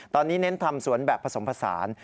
ตอนนี้เน้นทำสวนแบบผสมผสาน